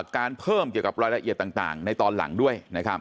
การเพิ่มเกี่ยวกับรายละเอียดต่างในตอนหลังด้วย